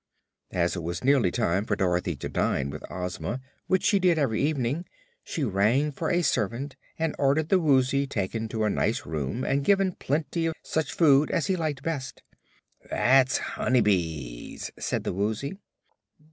As it was nearly time for Dorothy to dine with Ozma, which she did every evening, she rang for a servant and ordered the Woozy taken to a nice room and given plenty of such food as he liked best. "That's honey bees," said the Woozy.